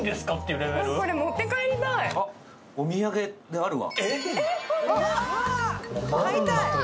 お土産であるわ。